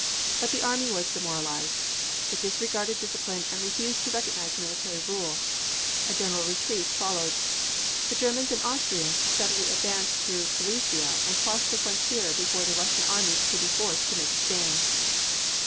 But the army was demoralized. It disregarded discipline and refused to recognize military rule. A general retreat followed. The Germans and Austrians steadily advanced through Galicia and crossed the frontier before the Russian armies could be forced to make a stand.